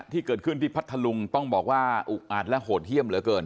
ที่เกิดขึ้นที่พัทธลุงต้องบอกว่าอุกอัดและโหดเยี่ยมเหลือเกิน